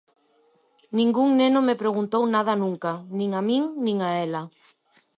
Ningún neno me preguntou nada nunca, nin a min nin a ela.